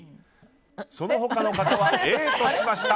その他の方はＡとしました。